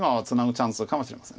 チャンスかもしれません。